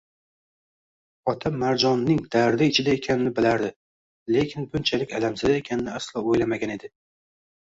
Ota Marjonning dardi ichida ekanini bilardi, lekin bunchalik alamzada ekanini aslo o‘ylamagan edi